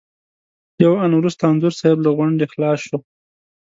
یو آن وروسته انځور صاحب له غونډې خلاص شو.